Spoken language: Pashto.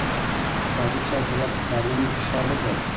کاري چاپېريال چې سالم وي، فشار نه زياتېږي.